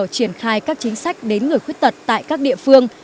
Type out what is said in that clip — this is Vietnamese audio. triển khai các chính sách đến người khuyết tật tại các địa phương